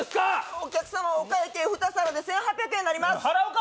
お客様お会計２皿で１８００円になります払うか！